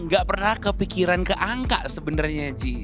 gak pernah kepikiran keangka sebenarnya ji